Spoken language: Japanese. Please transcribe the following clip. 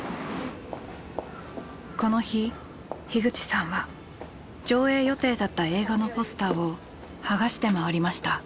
この日口さんは上映予定だった映画のポスターを剥がして回りました。